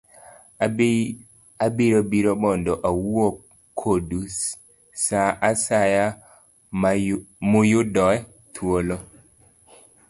Abiro biro mondo awuo kodu sa asaya muyudoe thuolo.